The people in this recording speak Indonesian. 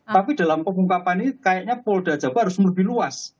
tapi dalam pengungkapan ini kayaknya polda jabar harus lebih luas